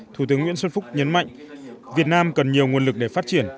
thủ tướng nguyễn xuân phúc nhấn mạnh việt nam cần nhiều nguồn lực để phát triển